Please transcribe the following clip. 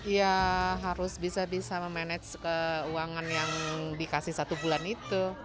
ya harus bisa bisa memanage keuangan yang dikasih satu bulan itu